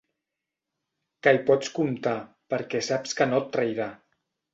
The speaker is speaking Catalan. Que hi pots comptar perquè saps que no et trairà.